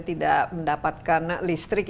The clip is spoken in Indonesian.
tidak mendapatkan listrik